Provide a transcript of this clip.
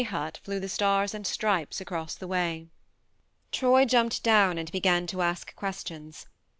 hut flew the stars and stripes across the way. Troy jumped down and began to ask questions.